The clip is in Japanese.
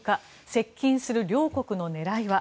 接近する両国の狙いは？